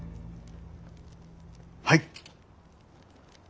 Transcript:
はい。